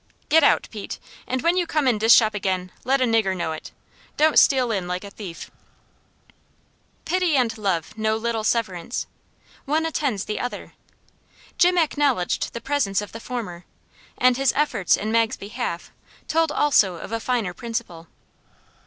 "Git out, Pete! and when you come in dis shop again, let a nigger know it. Don't steal in like a thief." Pity and love know little severance. One attends the other. Jim acknowledged the presence of the former, and his efforts in Mag's behalf told also of a finer principle.